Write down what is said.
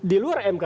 di luar mk